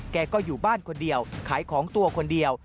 แกก็อยู่บ้านคนเดียวขายของตัวคนเดียว